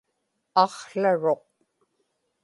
aqłaruq